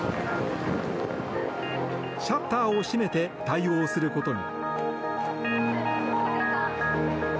シャッターを閉めて対応することに。